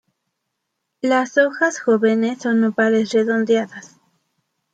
Las hojas jóvenes son ovales redondeadas.